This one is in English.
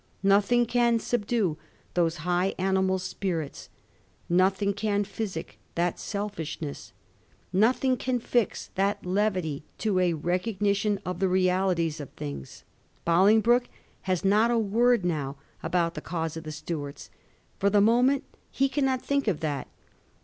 Nothing can subdue those high animal spirits ; nothing can physic that selfishness ; nothing can fix that levity to a recogni tion of the realities of things. Bolingbroke has not a word now about the cause of the Stuarts ; for the moment he cannot think of that.